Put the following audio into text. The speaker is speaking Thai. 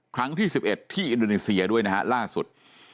ครั้งที่๑๑ที่อินโดนีเซียด้วยนะฮะล่าสุด